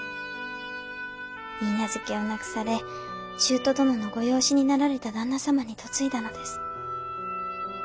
許嫁を亡くされ舅殿のご養子になられた旦那様に嫁いだのです。